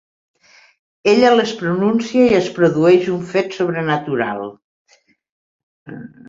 Ella les pronuncia i es produeix un fet sobrenatural.